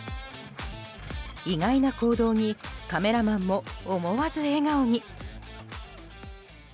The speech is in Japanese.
意外な行動にカメラマンも思わず笑顔に。